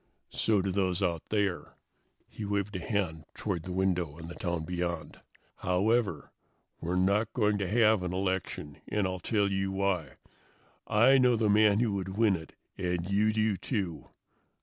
"So do those out there." He waved a hand toward the window and the town beyond. "However, we're not going to have an election, and I'll tell you why. I know the man who would win it and you do, too.